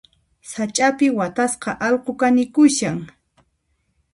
Sach'api watasqa allqu kanikushan.